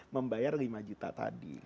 membayar lima juta tadi